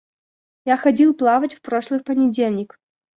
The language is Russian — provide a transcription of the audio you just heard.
Я ходил плавать в прошлый понедельник.